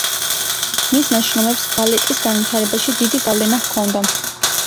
მის ნაშრომებს ბალეტის განვითარებაში დიდი გავლენა ჰქონდა.